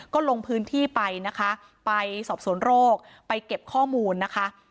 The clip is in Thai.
ก็ลงพื้นที่ไปนะคะไปสอบสวนโรคไปเก็บข้อมูลนะคะ